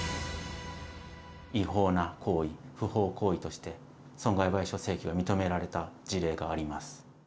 違法な行為不法行為として損害賠償請求が認められた事例があります。